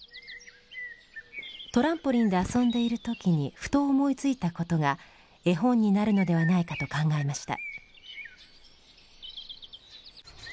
トランポリンで遊んでいる時にふと思いついたことが絵本になるのではないかと考えました。